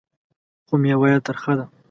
خو مېوه یې ترخه ده .